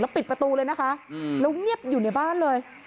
ปิดประตูเลยนะคะแล้วเงียบอยู่ในบ้านเลย